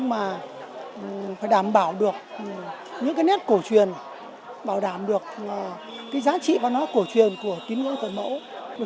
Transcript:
mà phải đảm bảo được những cái nét cổ truyền bảo đảm được cái giá trị văn hóa cổ truyền của tín ngưỡng thờ mẫu